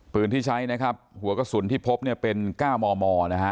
ปืนที่ใช้นะครับหัวกระสุนที่พบเนี่ยเป็น๙มมนะฮะ